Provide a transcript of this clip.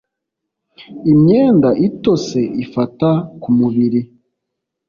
Imyenda itose ifata kumubiri.